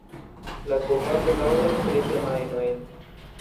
La kovado daŭras tri semajnojn.